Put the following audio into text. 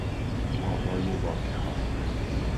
آوای واکهها